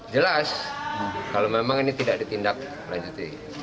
jelas kalau memang ini tidak ditindak lanjut